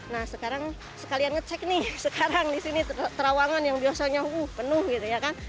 nah sekarang sekalian ngecek nih sekarang di sini terawangan yang biasanya penuh gitu ya kan